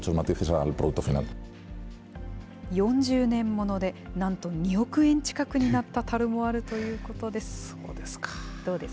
４０年物でなんと２億円近くになったタルもあるということでそうですか。